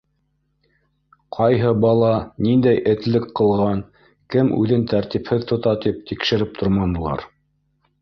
Ҡайһы бала ниндәй этлек ҡылған, кем үҙен тәртипһеҙ тота тип тикшереп торманылар.